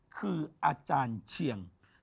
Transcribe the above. คืออาจารย์เชียง